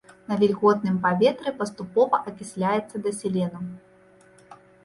На вільготным паветры паступова акісляецца да селену.